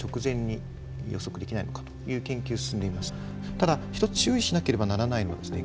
ただ一つ注意しなければならないのがですね